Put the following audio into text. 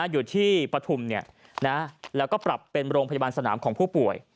อยู่ที่ปฐุมแล้วก็ปรับเป็นโรงพยาบาลสนามของผู้ป่วย